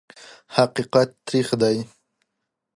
حقیقت تریخ دی .